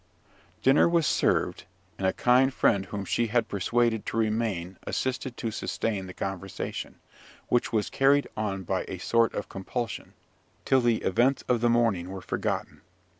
Dinner was served; and a kind friend whom she had persuaded to remain assisted to sustain the conversation, which was carried on by a sort of compulsion, till the events of the morning were forgotten.